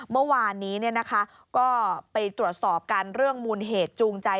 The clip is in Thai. เมื่อวานนี้ก็ไปตรวจสอบกันเรื่องมูลเหตุจูงใจ